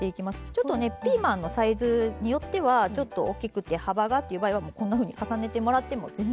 ちょっとねピーマンのサイズによってはちょっと大きくて幅がっていう場合はこんなふうに重ねてもらっても全然巻けるので。